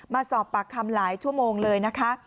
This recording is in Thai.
มาสอบปากคำหลายชั่วโมงเลยนะคะ